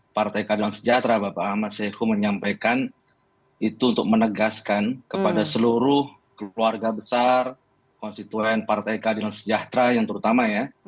partai keadilan sejahtera bapak ahmad saiku menyampaikan itu untuk menegaskan kepada seluruh keluarga besar konstituen partai keadilan sejahtera yang terutama ya